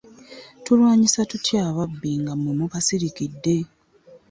Tulwanyisa tutya ababbi nga mmwe mubasirikidde?